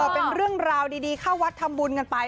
เป็นเรื่องราวดีเข้าวัดทำบุญกันไป